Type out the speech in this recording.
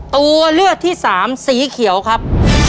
ตัวเลือกที่สามสีเขียวครับ